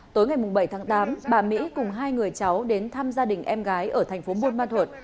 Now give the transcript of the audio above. tối ngày bảy tháng tám bà mỹ cùng hai người cháu đến thăm gia đình em gái ở thành phố buôn ma thuột